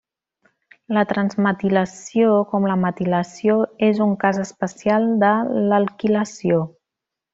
La transmetilació com la metilació és un cas especial de l’alquilació.